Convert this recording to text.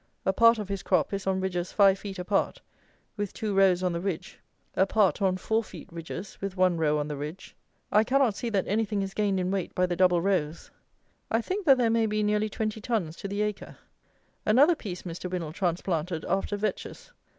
A part of his crop is on ridges five feet apart with two rows on the ridge, a part on four feet ridges with one row on the ridge. I cannot see that anything is gained in weight by the double rows. I think that there may be nearly twenty tons to the acre. Another piece Mr. WINNAL transplanted after vetches.